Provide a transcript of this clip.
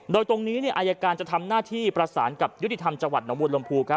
โดยตรงนี้อายการจะทำหน้าที่ประสานกับยุติธรรมจังหวัดหนองบวนลมภู